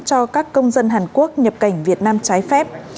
cho các công dân hàn quốc nhập cảnh việt nam trái phép